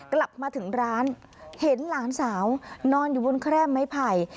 กลับมาถึงร้านเห็นหลานสาวนอนอยู่บนแคร่ไม้ไผ่